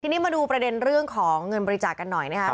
ทีนี้มาดูประเด็นเรื่องของเงินบริจาคกันหน่อยนะครับ